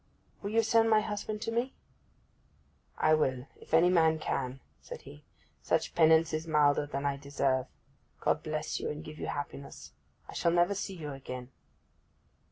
Will you send my husband to me?' 'I will, if any man can,' said he. 'Such penance is milder than I deserve! God bless you and give you happiness! I shall never see you again!